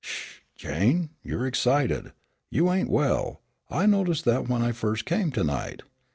"Sh Jane, you're excited, you ain't well; I noticed that when I first come to night.